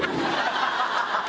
ハハハハ！